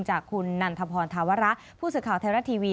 จากคุณนันทพรธาวระผู้ศึกข่าวเทวรัตน์ทีวี